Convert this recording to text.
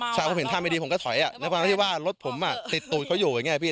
ใช่เขาเห็นท่าไม่ดีผมก็ถอยในประมาณที่ว่ารถผมติดตูดเขาอยู่อย่างนี้